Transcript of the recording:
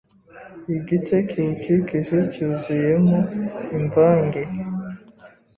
igice kiwukikije cyuzuyemo imvange